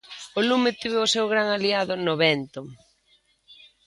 O lume tivo o seu gran aliado no vento.